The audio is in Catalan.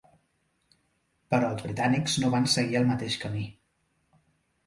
Però els britànics no van seguir el mateix camí.